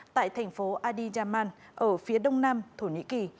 tại thành phố adiyaman ở phía đông nam thổ nhĩ kỳ